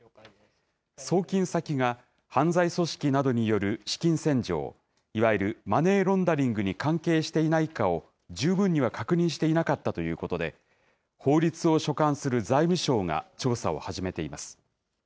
送金先が犯罪組織などによる資金洗浄、いわゆるマネーロンダリングに関係していないかを十分には確認していなかったということで、法律を所管する財務省が、調査を始めています。